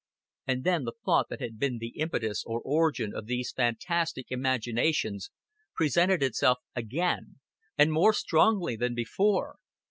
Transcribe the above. And then the thought that had been the impetus or origin of these fantastic imaginations presented itself again, and more strongly than before.